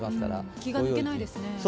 気が抜けないですね。